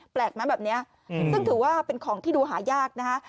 แปลกไหมแบบนี้ซึ่งถือว่าเป็นของที่ดูหายากนะฮะ